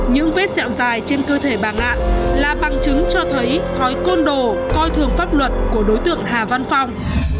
những vết dẹo dài trên cơ thể bà nạn là bằng chứng cho thấy thói côn đồ coi thường pháp luật của đối tượng hà văn phong